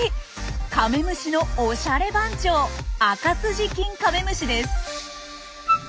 カメムシのおしゃれ番長アカスジキンカメムシです。